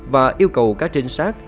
và yêu cầu các trinh sát